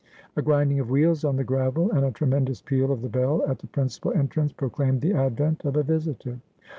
A grinding of wheels on the gravel, and a tremendous peal of the bell at the principal entrance proclaimed the advent of a visitor.